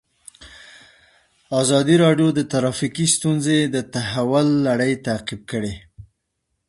ازادي راډیو د ټرافیکي ستونزې د تحول لړۍ تعقیب کړې.